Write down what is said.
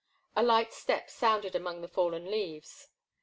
A light step sounded among the fallen leaves.